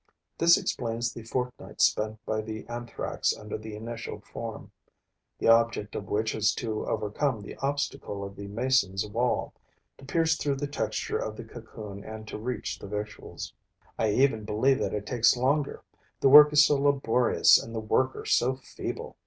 This explains the fortnight spent by the Anthrax under the initial form, the object of which is to overcome the obstacle of the mason's wall, to pierce through the texture of the cocoon and to reach the victuals. I even believe that it takes longer. The work is so laborious and the worker so feeble!